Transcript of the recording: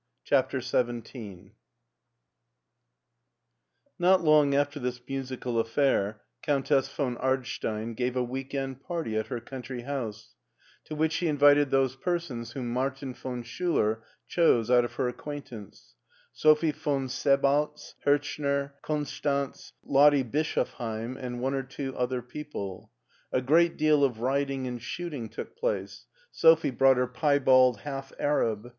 CHAPTER XVII NOT long after this musical affair, Countess von Ardstein gave a week end party at her country house, to which she invited those per sons whom Martin von Schuler chose out of her ac quaintance : Sophie von Sebaltz, Hirchner, Konstanz, Lottie Bischoffheim, and one or two other people. A great deal of riding and shooting took place. Sophie brought her piebald half arab.